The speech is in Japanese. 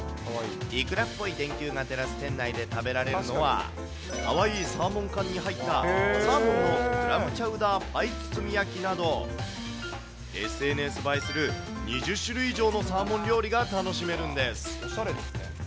イクラっぽい電球が照らす店内で食べられるのは、かわいいサーモン缶に入ったサーモンのクラムチャウダーパイ包焼きなど、ＳＮＳ映えする２０種類以上のサーモン料理が楽しめるんです。